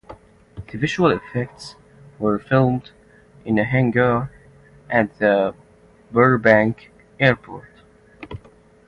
The visual effects were filmed in a hangar at the Burbank airport.